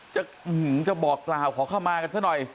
จะบอกกล่าวขอเข้ามากันซะหน่อย